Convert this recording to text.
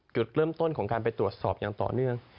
จุดเริ่มต้นของการไปตรวจสอบอย่างต่อเนื่อง